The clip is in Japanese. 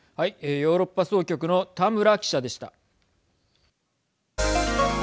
ヨーロッパ総局の田村記者でした。